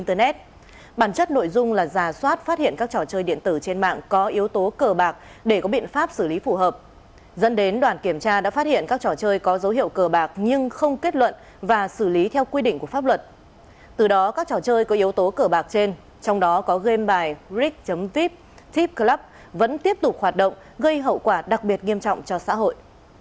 từ đó các trò chơi có yếu tố cỡ bạc trên trong đó có game bài rick vip tip club vẫn tiếp tục hoạt động gây hậu quả đặc biệt nghiêm trọng cho xã hội